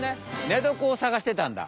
寝床を探してたんだ。